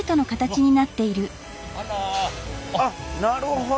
あっなるほど。